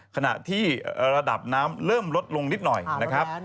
ขณะที่ระดับน้ำเริ่มลดลงนิดหน่อยนะครับ